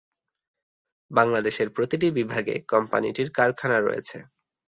বাংলাদেশের প্রতিটি বিভাগে কোম্পানিটির কারখানা রয়েছে।